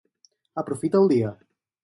Aprofita el dia.